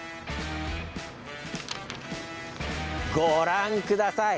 ご覧ください。